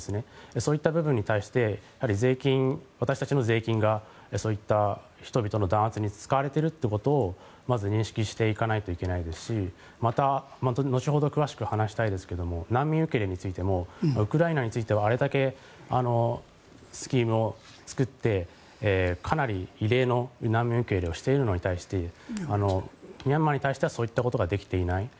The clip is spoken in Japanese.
そういった部分に対して私たちの税金がそういった人々の弾圧に使われていることをまず認識していかないといけないですし後ほど詳しく話したいですが難民受け入れについてもウクライナに対してはあれだけスキームを作ってかなり異例の難民受け入れをしているのに対してミャンマーに対してはそういったことができていない。